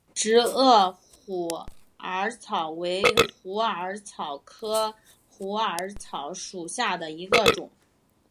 直萼虎耳草为虎耳草科虎耳草属下的一个种。